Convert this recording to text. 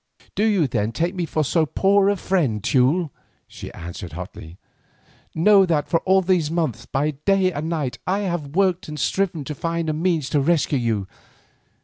"Do you, then, take me for so poor a friend, Teule?" she answered hotly. "Know that for all these months, by day and by night, I have worked and striven to find a means to rescue you.